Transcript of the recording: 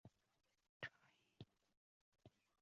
差异大的地区之间初次通话比较困难。